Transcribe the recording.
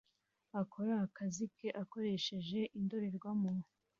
akora akazi ke akoresheje indorerwamo